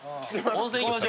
温泉行きましょう。